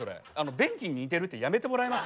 「便器に似てる」ってやめてもらえます？